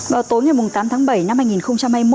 vào tối ngày tám tháng bảy năm hai nghìn hai mươi